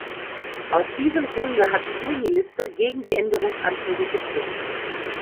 Aus diesem Grunde hat die Juniliste gegen die Änderungsanträge gestimmt.